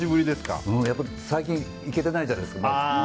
やっぱり最近行けてないじゃないですか。